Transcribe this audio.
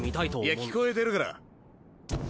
いや聞こえてるから。